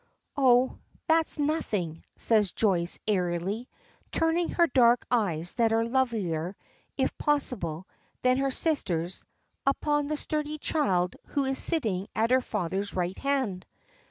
"Oh! That's nothing!" says Joyce airily, turning her dark eyes, that are lovelier, if possible, than her sister's, upon the sturdy child who is sitting at his father's right hand.